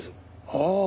ああ